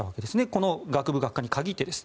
この学部・学科に限ってです。